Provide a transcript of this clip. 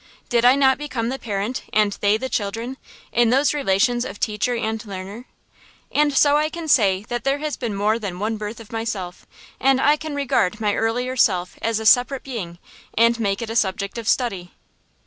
Did I not become the parent and they the children, in those relations of teacher and learner? And so I can say that there has been more than one birth of myself, and I can regard my earlier self as a separate being, and make it a subject of study.